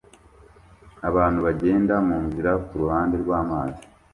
Abantu bagenda munzira kuruhande rwamazi